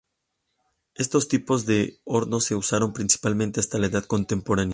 Estos tipos de hornos se usaron principalmente hasta la Edad Contemporánea.